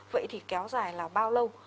vậy thì kéo dài là bao lâu